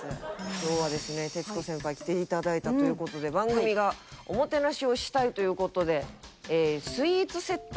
今日はですね徹子先輩来て頂いたという事で番組がおもてなしをしたいという事でスイーツセット。